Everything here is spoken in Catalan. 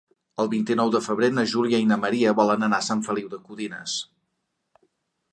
El vint-i-nou de febrer na Júlia i na Maria volen anar a Sant Feliu de Codines.